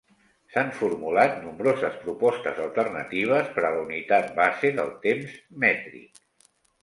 S’han formulat nombroses propostes alternatives per a la unitat base del temps mètric.